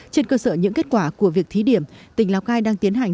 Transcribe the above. trên cơ sở những kết quả của việc thí điểm tỉnh lào cai đang tiến hành